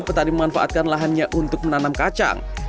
petani memanfaatkan lahannya untuk menanam kacang